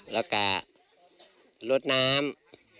แล้วก็ลดน้ำ